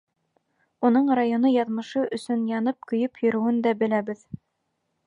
Уның районы яҙмышы өсөн янып-көйөп йөрөүен дә беләбеҙ.